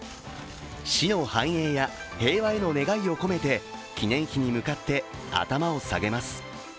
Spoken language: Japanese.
市の繁栄や平和への願いを込めて記念碑に向かって頭を下げます。